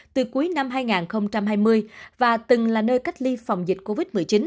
từ cuối năm hai nghìn hai mươi và từng là nơi cách ly phòng dịch covid một mươi chín